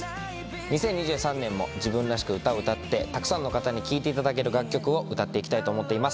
２０２３年も自分らしく歌を歌って、たくさんの方に聴いていただける楽曲を歌っていきたいと思っています。